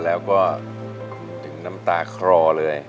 แล้วก็ถึงน้ำตาคลอเลย